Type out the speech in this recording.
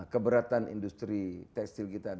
keberatan industri tekstil kita